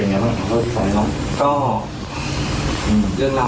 อีกคลิปนึงเปิดปีนึงด้วย